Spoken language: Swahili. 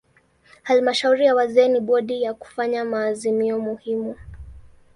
Halmashauri ya wazee ni bodi ya kufanya maazimio muhimu.